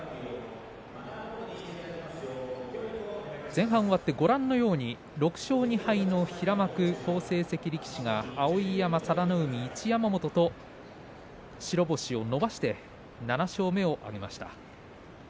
前半終わって、ご覧のように６勝２敗の好成績の力士碧山、佐田の海、一山本が白星を伸ばして７勝目を挙げました。